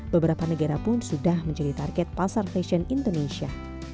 beberapa negara pun sudah menjadi target pasar fashion indonesia